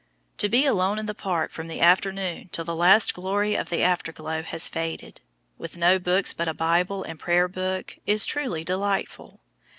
To be alone in the park from the afternoon till the last glory of the afterglow has faded, with no books but a Bible and Prayer book, is truly delightful.